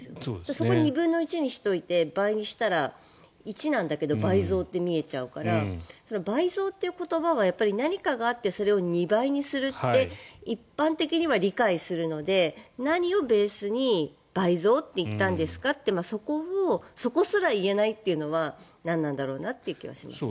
そこを２分の１にしておいて倍にしたら１なんだけど倍増って見えちゃうから倍増っていう言葉は何かがあってそれを２倍にするって一般的には理解するので何をベースに倍増と言ったんですかというそこすら言えないというのは何なんだろうなという気はしますね。